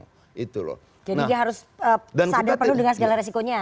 jadi dia harus sadar penuh dengan segala resikonya